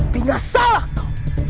bina salah kau